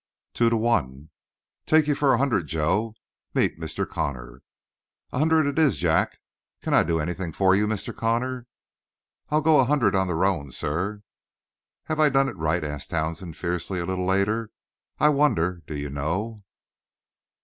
"Two to one." "Take you for a hundred. Joe, meet Mr. Connor." "A hundred it is, Jack. Can I do anything for you, Mr. Connor?" "I'll go a hundred on the roan, sir." "Have I done it right?" asked Townsend fiercely, a little later. "I wonder do you know?"